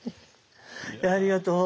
ありがとう。